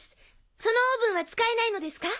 そのオーブンは使えないのですか？